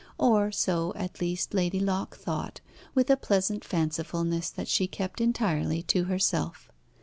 Or so, at least, Lady Locke thought with a pleasant fancifulness that she kept entirely to herself.